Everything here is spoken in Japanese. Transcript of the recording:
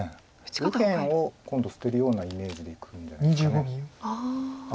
右辺を今度捨てるようなイメージでいくんじゃないですか。